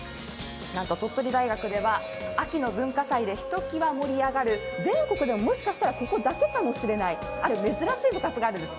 なんと鳥取大学では秋の文化祭でひときわ盛り上がる全国でももしかしたらここだけかもしれない、ある珍しい部活があるんです。